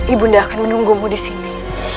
ibunda akan menunggumu di sini